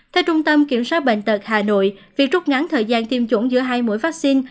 theo trung tâm kiểm soát bệnh tật hà nội việc trút ngắn thời gian tiêm chủng giữa hai mũi vaccine